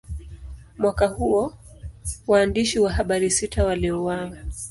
Mwaka huo, waandishi wa habari sita waliuawa.